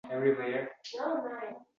Taqillatsam berasan ovoz